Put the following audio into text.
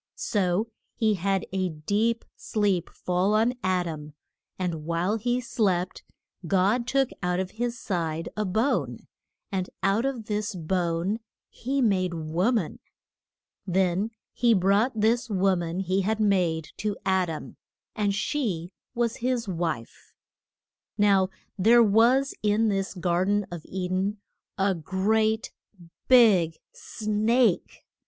So he had a deep sleep fall on Ad am, and while he slept God took out of his side a bone, and out of this bone he made a wo man. Then he brought this wo man he had made to Ad am, and she was his wife. Now there was in this gar den of E den a great big snake.